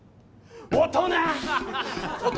大人！